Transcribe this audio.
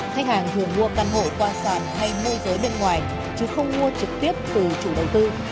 khách hàng thường mua căn hộ tòa sản hay môi giới bên ngoài chứ không mua trực tiếp từ chủ đầu tư